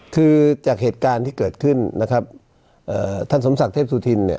คือจากเหตุการณ์ที่เกิดขึ้นนะครับเอ่อท่านสมศักดิ์เทพสุธินเนี่ย